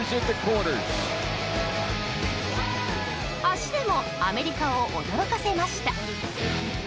足でもアメリカを驚かせました。